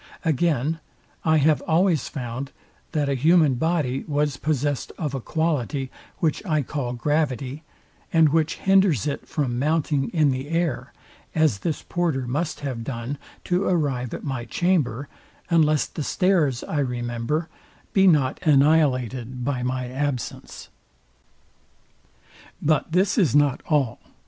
Again, I have always found, that a human body was possest of a quality, which I call gravity, and which hinders it from mounting in the air, as this porter must have done to arrive at my chamber, unless the stairs I remember be not annihilated by my absence. But this is not all.